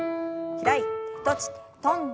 開いて閉じて跳んで。